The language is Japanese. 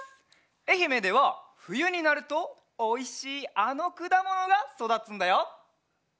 えひめではふゆになるとおいしいあのくだものがそだつんだよ。